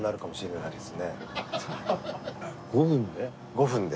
５分で？